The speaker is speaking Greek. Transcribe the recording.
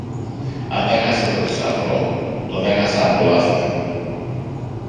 Αν έχασα το θησαυρό, τον έχασα από λάθος μου.